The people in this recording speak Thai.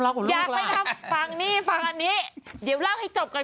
อยากไม่ต้องฟังนี่ฟังอันนี้เดี๋ยวเล่าให้จบกัน